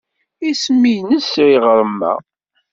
Isem-nnes yiɣrem-a?